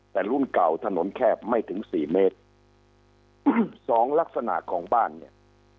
แต่รุ่นเก่าถนนแคบไม่ถึงสี่เมตรสองลักษณะของบ้านเนี่ย